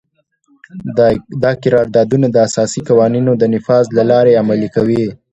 دا قراردادونه د اساسي قوانینو د نفاذ له لارې عملي کوي.